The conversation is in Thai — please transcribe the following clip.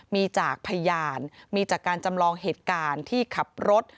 มีจากพยานมีจากการจำลองเหตุการณ์ที่ขับรถ